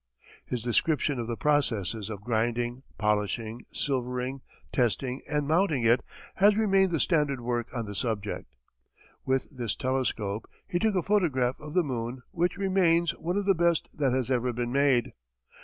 His description of the processes of grinding, polishing, silvering, testing and mounting it has remained the standard work on the subject. With this telescope he took a photograph of the moon which remains one of the best that has ever been made.